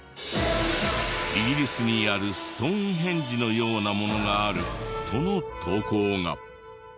イギリスにあるストーンヘンジのようなものがあるとの投稿が。